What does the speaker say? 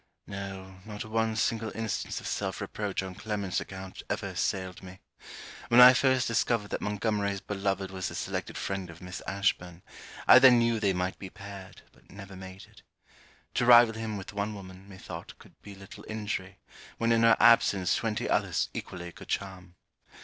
No, not one single instance of self reproach on Clement's account ever assailed me. When I first discovered that Montgomery's beloved was the selected friend of Miss Ashburn, I then knew they might be paired, but never mated. To rival him with one woman, methought could be little injury, when in her absence twenty others equally could charm.